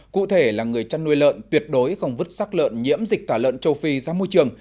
cụ thể là người chăn nuôi lợn tuyệt đối không vứt sắc lợn nhiễm dịch tả lợn châu phi ra môi trường